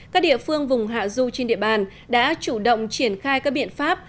các địa phương vùng hạ du trên địa bàn đã chủ động triển khai các biện pháp